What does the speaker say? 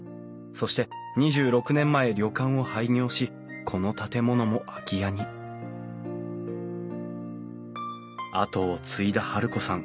そして２６年前旅館を廃業しこの建物も空き家に跡を継いだ治子さん。